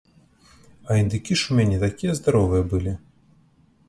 А індыкі ж у мяне такія здаровыя былі!